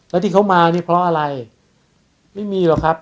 แล้วที่เขามานี่เพราะอะไรไม่มีหรอกครับ